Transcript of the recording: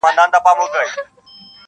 او ټوکي کوي-